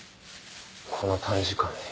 この短時間で。